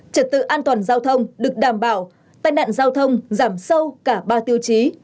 trật tự an toàn giao thông được đảm bảo tai nạn giao thông giảm sâu cả ba tiêu chí